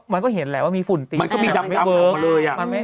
มันก็เห็นแหละว่ามีฝุ่นตีมันไม่เวิร์คมาเลย